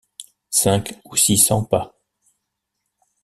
Cinq ou six cents pas.